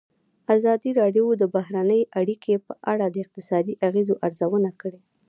ازادي راډیو د بهرنۍ اړیکې په اړه د اقتصادي اغېزو ارزونه کړې.